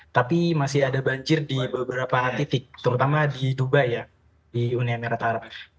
tapi masih ada banjir di beberapa titik terutama di duba ya di uni emirat arab